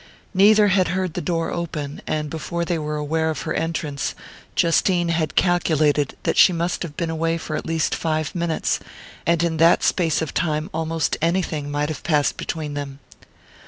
Neither had heard the door open; and before they were aware of her entrance Justine had calculated that she must have been away for at least five minutes, and that in that space of time almost anything might have passed between them.